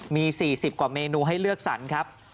มี๔๐กว่าเมนูให้เลือกสรรครับ